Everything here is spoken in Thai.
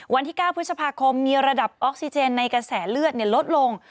วันที่๙พฤษภาคมมีระดับออกซิเจนในกระแสเลือดลดลง